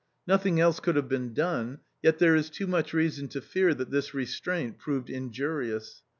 Nothing else could have been done, yet there is too much reason to fear that this restraint proved injurious.